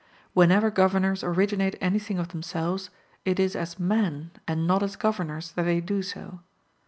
Whenever governors originate anything of themselves, it is as men and not as governors, that they do so.